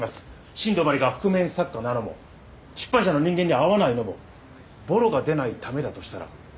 新道真理が覆面作家なのも出版社の人間に会わないのもボロが出ないためだとしたら。